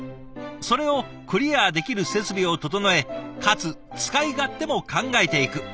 それをクリアできる設備を整えかつ使い勝手も考えていく。